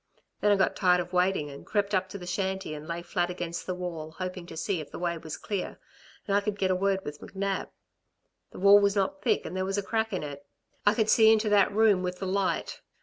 Then I got tired of waiting and crept up to the shanty and lay flat against the wall, hoping to see if the way was clear and I could get a word with McNab.... The wall was not thick, and there was a crack in it. I could see into that room with the light.